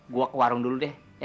gue ke warung dulu deh